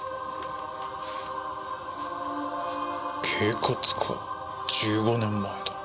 『警活』か１５年前だ。